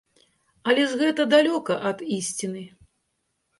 Але ж гэта далёка ад ісціны.